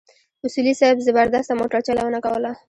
اصولي صیب زبردسته موټرچلونه کوله.